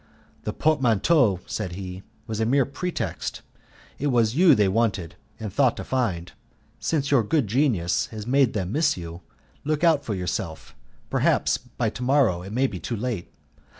"The portmanteau," said he, "was a mere pretext; it was you they wanted and thought to find. Since your good genius has made them miss you, look out for yourself; perhaps by to morrow it may be too late.